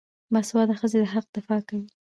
باسواده ښځې د حق دفاع کوي.